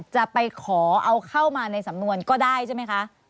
จะไปขอเอาเข้ามาในสำนวนก็ได้ใช่ไหมคะ